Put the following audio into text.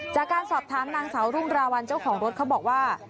จากการสอบถามนางสาวรุ่งราวัลเจ้าของรถเขาบอกว่า